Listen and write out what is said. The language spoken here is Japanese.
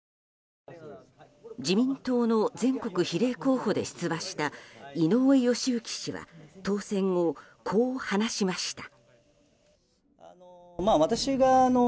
自民党の全国比例候補で出馬した井上義行氏は当選後、こう話しました。